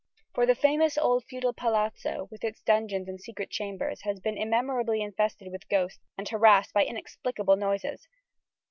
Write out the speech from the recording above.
For the famous old feudal Palazzo, with its dungeons and secret chambers, has been immemorially infested with ghosts, and harassed by inexplicable noises.